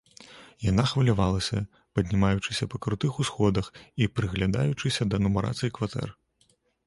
Яна хвалявалася, паднімаючыся па крутых усходах і прыглядаючыся да нумарацыі кватэр.